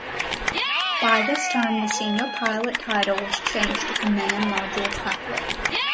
By this time, the Senior Pilot title was changed to Command Module Pilot.